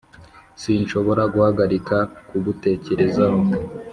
Sinshobora guhagarika kugutekerezaho